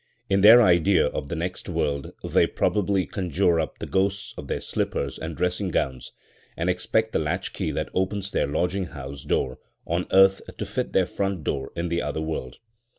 In their idea of the next world they probably conjure up the ghosts of their slippers and dressing gowns, and expect the latchkey that opens their lodging house door on earth to fit their front door in the other world.